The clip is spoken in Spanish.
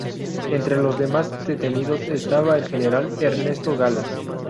Entre los demás detenidos estaba el general Ernesto Galaz.